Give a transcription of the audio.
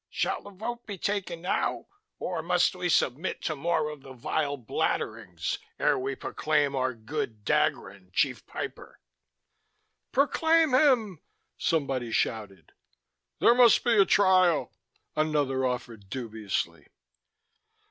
"Shall the vote be taken now, or must we submit to more of the vile bladderings ere we proclaim our good Dagron Chief Piper?" "Proclaim him!" somebody shouted. "There must be a Trial," another offered dubiously.